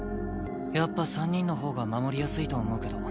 やっぱ３人のほうが守りやすいと思うけど。